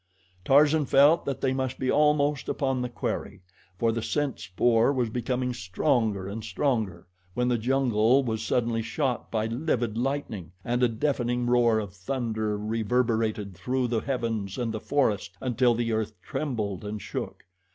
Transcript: Tarzan felt that they must be almost upon the quarry, for the scent spoor was becoming stronger and stronger, when the jungle was suddenly shot by livid lightning, and a deafening roar of thunder reverberated through the heavens and the forest until the earth trembled and shook.